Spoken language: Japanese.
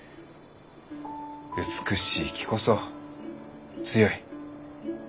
美しいきこそ強い。